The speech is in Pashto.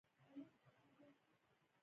ګلداد خان په پګړۍ لاس وواهه ور غږ یې کړل.